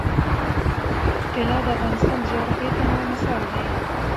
طلا د افغانستان د جغرافیوي تنوع مثال دی.